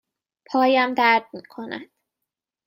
پایم درد می کند.